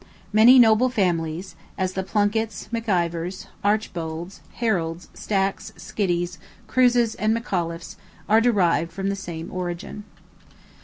Many noble families, as the Plunkets, McIvers, Archbolds, Harolds, Stacks, Skiddies, Cruises, and McAuliffes, are derived from the same origin.